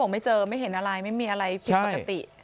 ไม่เจอไม่เห็นอะไรไม่มีอะไรผิดปกติ